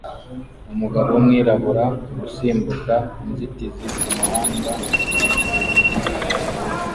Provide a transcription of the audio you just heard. Umugabo wumwirabura usimbuka inzitizi kumuhanda kumunsi wizuba